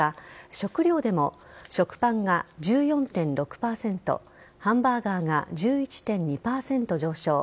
食料でも、食パンが１４．６％ハンバーガーが１１．２％上昇。